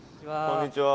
こんにちは。